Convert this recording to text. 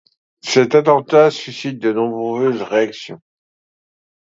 Cet attentat suscite de nombreuses réactions.